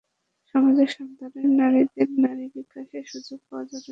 সমাজের সব ধরণের নারীদেরই নারী বিকাশের সুযোগ পাওয়া জরুরী।